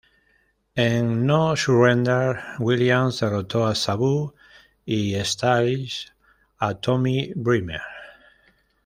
En No Surrender, Williams derrotó a Sabu y Styles a Tommy Dreamer.